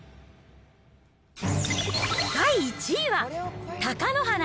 第１位は、貴乃花。